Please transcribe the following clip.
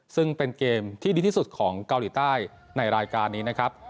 ซึ่งเป็นเกมที่ดีที่สุดของเกาหลีใต้ในรายการนี้นะครับ